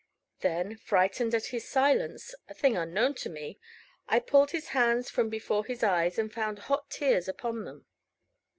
Then frightened at his silence a thing unknown to me I pulled his hands from before his eyes, and found hot tears upon them.